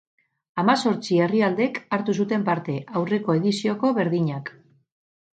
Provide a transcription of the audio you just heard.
Hamazortzi herrialdek hartu zuten parte, aurreko edizioko berdinak.